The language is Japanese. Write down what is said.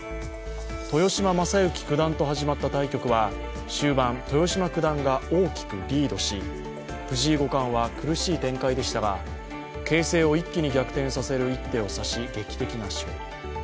豊島将之九段と始まった対局は終盤、豊島九段が大きくリードし藤井五冠は苦しい展開でしたが、形勢を一気に逆転させる一手を指し劇的な勝利。